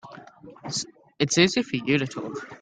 It's easy for you to talk.